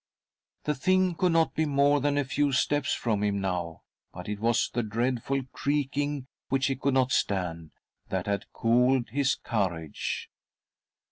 ■' ji 1 '%. THE DEATH CART The thing could not be more than a few steps from' him now, but it was the dreadful creaking which he could not stand, that had cooled his courage.